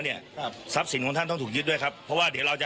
เนี่ยครับทรัพย์สินของท่านต้องถูกยึดด้วยครับเพราะว่าเดี๋ยวเราจะ